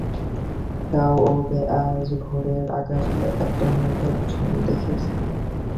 তা ও বে, আজ ভোরের আকাশে, একটা নিদর্শন দেখেছি।